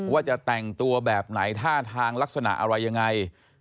ว่าจะแต่งตัวแบบไหนท่าทางลักษณะอะไรยังไง